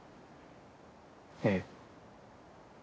ええ。